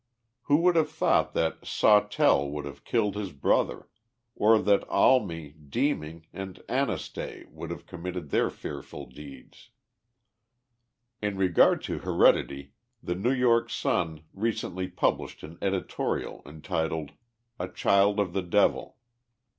Who would have thought that Sawtell would have killed his brother, or that Almy, Deeming and Anastay would have committed their fearful deeds ? In regard to heredity, the Xew York Sun recently pub 80 THE LIFE OF JESSE HARDING POMEROY. lished an editorial, entitled "A Child of the Devil."